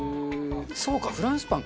そうかフランスパン